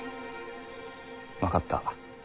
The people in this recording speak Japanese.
分かった。